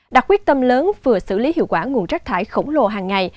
đạt quyết tâm lớn vừa xử lý hiệu quả nguồn rác thải khổng lồ hàng ngày